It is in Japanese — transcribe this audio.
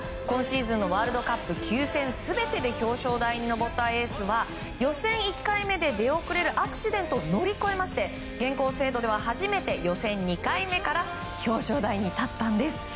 今シーズンのワールドカップ９戦全てで表彰台に上ったエースは予選１回目で出遅れるアクシデントを乗り越えまして現行制度では初めて予選２回目から表彰台に立ったんです。